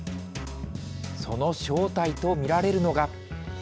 その正体と見られるのが。